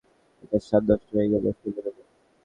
এটার স্বাদ নষ্ট হয়ে গেলে ফেলে দেবো।